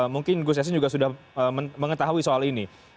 mungkin gus yassin juga sudah mengetahui soal ini